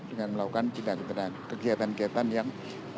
dengan melakukan tindakan kegiatan kegiatan yang